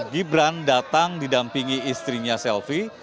gibran datang didampingi istrinya selvi